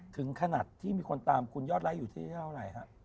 ถึงขนาดที่มีคนตามคุณยอดไลค์อยู่ที่เท่าไหร่ฮะ